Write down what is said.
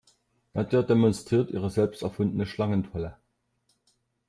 Nadja demonstriert ihre selbst erfundene Schlangenfalle.